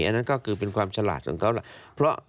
อันนั้นก็คือเป็นความฉลาดของเขาแหละ